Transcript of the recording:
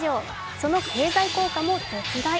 その経済効果も絶大。